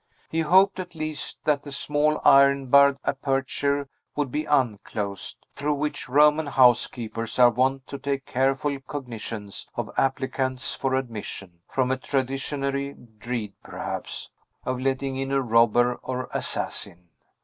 He hoped, at least, that the small iron barred aperture would be unclosed, through which Roman housekeepers are wont to take careful cognizance of applicants for admission, from a traditionary dread, perhaps, of letting in a robber or assassin.